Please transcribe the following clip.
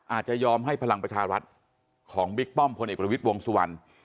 อาจจะยอมให้พลังประชารัฐของบิ๊กป้อมพลเอกประวิทย์วงสุวรรณ